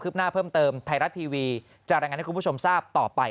หน้าเพิ่มเติมไทยรัฐทีวีจะรายงานให้คุณผู้ชมทราบต่อไป